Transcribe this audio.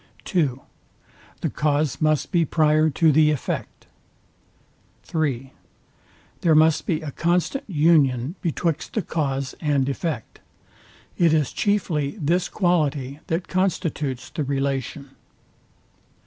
(2) The cause must be prior to the effect. (3) There must be a constant union betwixt the cause and effect. It is chiefly this quality, that constitutes the relation.